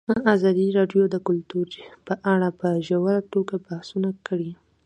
ازادي راډیو د کلتور په اړه په ژوره توګه بحثونه کړي.